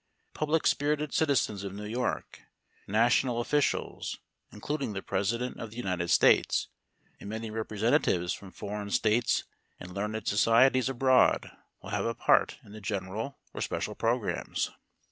Public spirited citizens of New York, national officials, including the President of the United States, and many representatives from foreign states and learned societies abroad will have a part in the general or special programs.